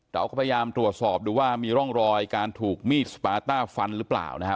เราก็พยายามตรวจสอบดูว่ามีร่องรอยการถูกมีดสปาต้าฟันหรือเปล่านะฮะ